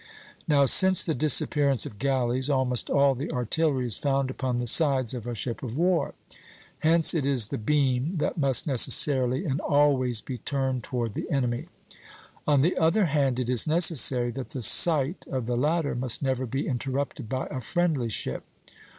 Now, since the disappearance of galleys, almost all the artillery is found upon the sides of a ship of war. Hence it is the beam that must necessarily and always be turned toward the enemy. On the other hand, it is necessary that the sight of the latter must never be interrupted by a friendly ship.